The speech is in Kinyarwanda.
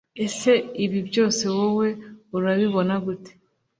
Ese ibi byose wowe urabibona gute